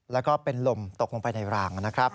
แล้วก็เป็นลมตกลงไปในร่าง